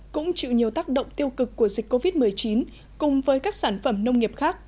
cũng chịu nhiều tác động tiêu cực của dịch covid một mươi chín cùng với các sản phẩm nông nghiệp khác